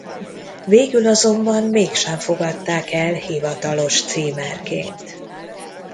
Végül azonban mégsem fogadták el hivatalos címerként.